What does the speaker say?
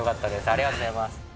ありがとうございます。